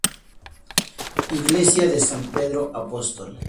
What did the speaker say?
Iglesia de San Pedro Apóstol.